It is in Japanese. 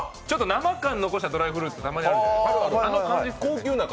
生感残したドライフルーツってあるじゃないですか、あの感じ